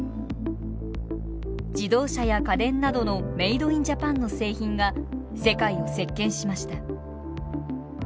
自動車や家電などのメイド・イン・ジャパンの製品が世界を席けんしました。